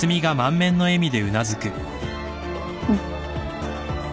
うん。